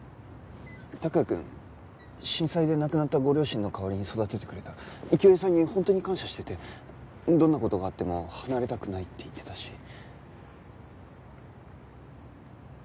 託也くん震災で亡くなったご両親の代わりに育ててくれた清江さんに本当に感謝しててどんな事があっても離れたくないって言ってたし。